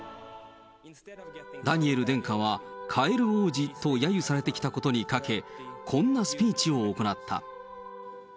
ダニエル殿下は、カエル王子とやゆされてきたことにかけ、こんなスピーチを行った。